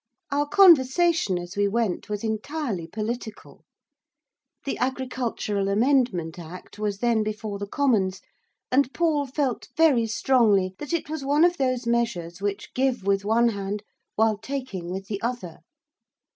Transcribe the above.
Our conversation, as we went, was entirely political. The Agricultural Amendment Act was then before the Commons, and Paul felt very strongly that it was one of those measures which give with one hand, while taking with the other.